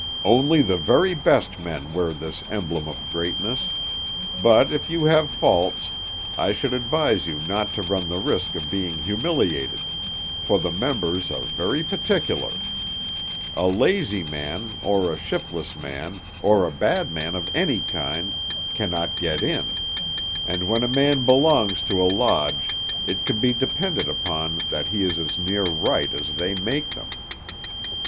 Only the very best men wear this emblem of greatness. But if you have faults, I should advise you not to run the risk of being humiliated, for the members are very particular. A lazy man, or a shiftless man, or a bad man of any kind, cannot get in; and when a man belongs to a lodge, it can be depended upon that he is as near right as they make them.